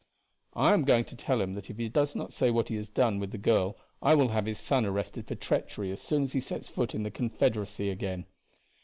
"I am going to tell him that if he does not say what he has done with the girl, I will have his son arrested for treachery as soon as he sets foot in the Confederacy again."